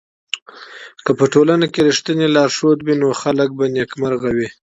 که په ټولنه کي رښتينی لارښود وي نو خلګ به نېکمرغه وي.